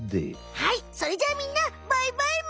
はいそれじゃあみんなバイバイむ！